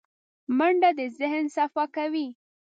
منډه د ذهن صفا کوي